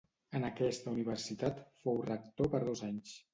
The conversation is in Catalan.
En aquesta universitat fou rector per dos anys.